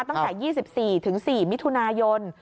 ตั้งแต่๒๔๔มิถุนายน